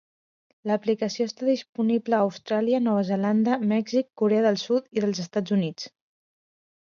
L'aplicació està disponible a Austràlia, Nova Zelanda, Mèxic, Corea del Sud i dels Estats Units.